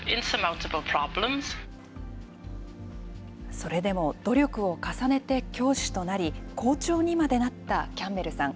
それでも努力を重ねて教師となり、校長にまでなったキャンベルさん。